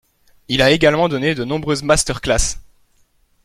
Il a également donné de nombreuses masterclasses.